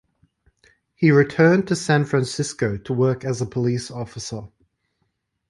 He returned to San Francisco to work as a police officer.